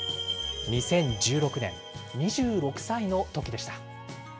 ２０１６年、２６歳のときでした。